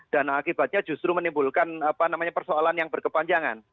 dan akibatnya justru menimbulkan persoalan yang berkepanjangan